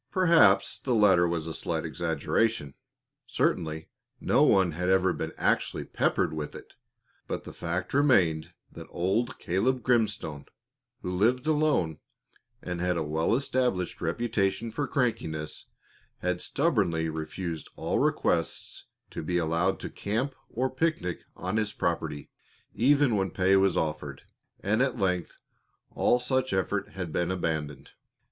Perhaps the latter was a slight exaggeration; certainly no one had ever been actually peppered with it. But the fact remained that old Caleb Grimstone, who lived alone and had a well established reputation for crankiness, had stubbornly refused all requests to be allowed to camp or picnic on his property even when pay was offered, and at length all such effort had been abandoned.